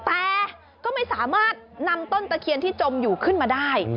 แต่ก็ไม่สามารถนำต้นตะเคียนที่จมอยู่ขึ้นมาได้